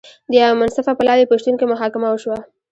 د یوه منصفه پلاوي په شتون کې محاکمه وشوه.